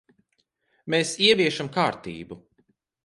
Mēs ieviešam kārtību.